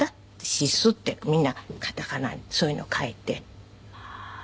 「シス」ってみんな片仮名でそういうのを書いて。